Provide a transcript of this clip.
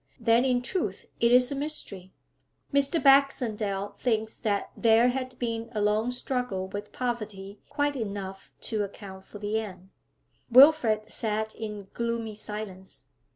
'Then in truth it is a mystery?' 'Mr. Baxendale thinks that there had been a long struggle with poverty, quite enough to account for the end.' Wilfrid sat in gloomy silence.